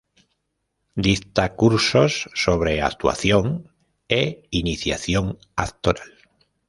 Dicta cursos sobre Actuación e Iniciación Actoral.